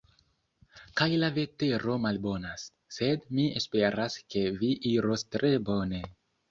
Kaj la vetero malbonas, sed mi esperas ke vi iros tre bone.